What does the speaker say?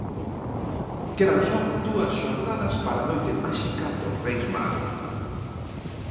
Quedan só dúas xornadas para a noite máxica dos Reis Magos.